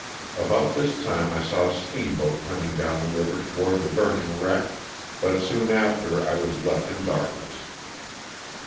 A.bout this time I saw a steamboat coming down the river toward the burning wreck, but soon after I was left in darkness.